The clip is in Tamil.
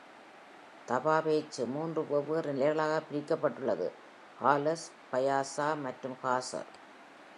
தபா பேச்சு மூன்று வெவ்வேறு நிலைகளாக பிரிக்கப்பட்டுள்ளது: "ஆலஸ்", "பயாசா" மற்றும் "காசர்".